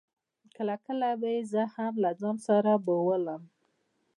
کله کله به يې زه هم له ځان سره بېولم.